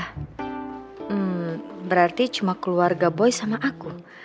hmm berarti cuma keluarga boy sama aku